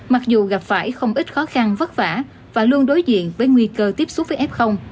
mặc dù gặp phải không ít khó khăn vất vả và luôn đối diện với nguy cơ tiếp xúc với f